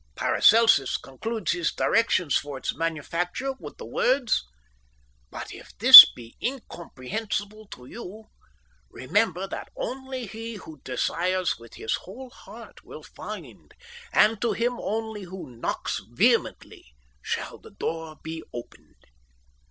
Paracelsus concludes his directions for its manufacture with the words: _But if this be incomprehensible to you, remember that only he who desires with his whole heart will find, and to him only who knocks vehemently shall the door be opened_."